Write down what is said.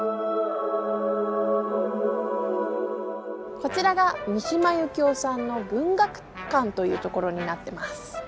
こちらが三島由紀夫さんの文学館という所になってます。